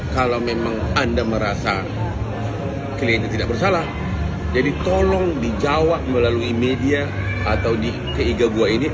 kalau memang anda merasa kliennya tidak bersalah jadi tolong dijawab melalui media atau di ketiga buah ini